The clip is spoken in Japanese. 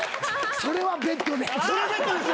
それはベットで。